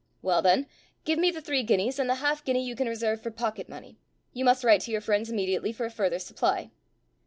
"Well, then, give me the three guineas, and the half guinea you can reserve for pocket money. You must write to your friends immediately for a further supply."